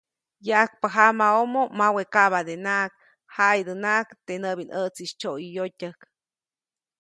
Yaʼajkpä jamaʼomo, mawe kaʼbadenaʼajk, jaʼidänaʼajk teʼ näʼbinʼätsiʼis tsyoyäyotyäjk.